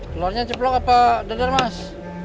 telurnya ceplok apa dadar mas